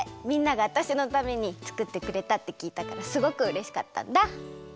みんながわたしのためにつくってくれたってきいたからすごくうれしかったんだ。